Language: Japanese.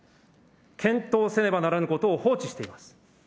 検討せねばならぬことを放置しています。